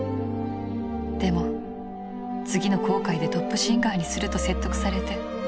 でも次の航海でトップシンガーにすると説得されて。